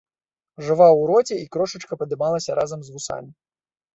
Жаваў у роце, і крошачка падымалася разам з вусамі.